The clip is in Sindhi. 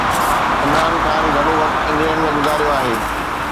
عمران خان گهڻو وقت انگلينڊ ۾ گذاريو آهي.